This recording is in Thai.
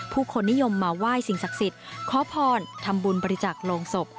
ผู้คนนิยมมาไหว้สิ่งศักดิ์สิทธิ์ขอพรทำบุญบริจักษ์โรงศพ